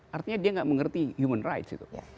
artinya dia tidak mengerti human rights